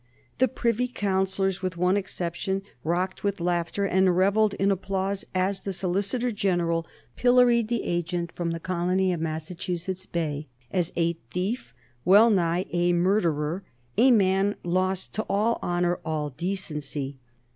The Privy Councillors, with one exception, rocked with laughter and revelled in applause as the Solicitor General pilloried the agent from the colony of Massachusetts Bay as a thief, well nigh a murderer, a man lost to all honor, all decency.